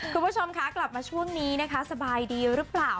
คุณผู้ชมคะกลับมาช่วงนี้นะคะสบายดีหรือเปล่า